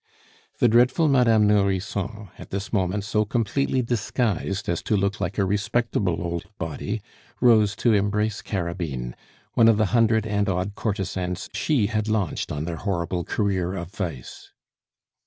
The dreadful Madame Nourrisson, at this moment so completely disguised as to look like a respectable old body, rose to embrace Carabine, one of the hundred and odd courtesans she had launched on their horrible career of vice.